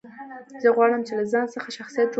زه غواړم، چي له ځان څخه شخصیت جوړ کړم.